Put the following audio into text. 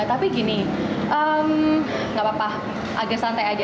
tapi gini gak apa apa agak santai aja